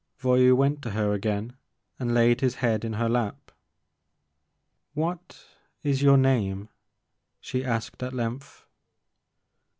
Voyou went to her again and laid his head in her lap. What is your name ?she asked at length.